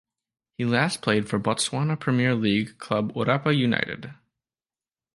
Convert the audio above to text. He last played for Botswana Premier League club Orapa United.